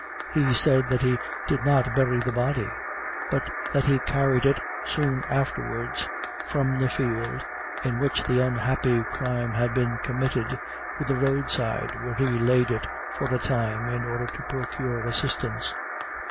He said that he did not bury the body, but that he carried it soon afterwards from the field in which the unhappy crime had been committed, to the roadside, where he laid it for a time, in order to procure assistance.